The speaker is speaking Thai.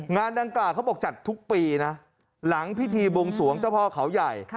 งานดังกล่าวเขาบอกจัดทุกปีนะหลังพิธีบวงสวงเจ้าพ่อเขาใหญ่